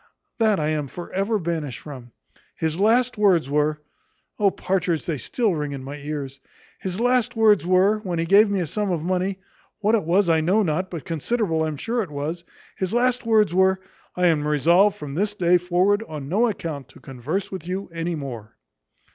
that I am for ever banished from. His last words were O, Partridge, they still ring in my ears his last words were, when he gave me a sum of money what it was I know not, but considerable I'm sure it was his last words were `I am resolved from this day forward, on no account to converse with you any more.'"